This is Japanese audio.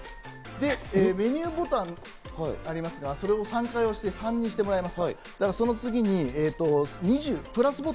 で、メニューボタンがありますが、それを３回押して、「３」にしてもらいます。